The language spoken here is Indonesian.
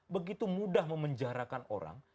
begitu mudah memenjarakan orang